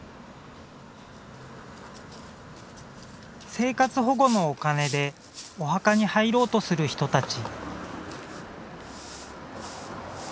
生活保護のお金でお墓に入ろうとする人たち。